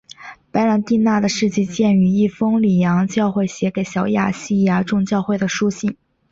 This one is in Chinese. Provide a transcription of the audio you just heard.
白郎弟娜的事迹见于一封里昂教会写给小亚细亚众教会的书信。